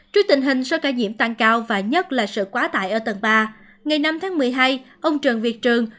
trước tình hình số ca nhiễm tăng cao và nhất là sự quá tải ở tầng ba ngày năm tháng một mươi hai ông trần việt trường